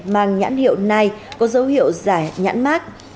mang nhãn hiệu này có dấu hiệu giải nhãn mát